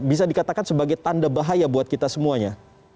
bisa dikatakan sebagai tanda bahaya buat kita semuanya